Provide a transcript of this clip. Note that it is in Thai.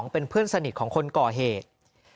เป็นเพื่อนสนิทของคนก่อเหตุ